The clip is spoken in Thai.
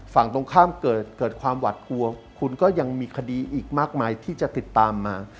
ฝั่งตรงข้ามเกิดความหวัดกลัวคุณก็ยังมีคดีอีกมากมายที่จะติดตามมา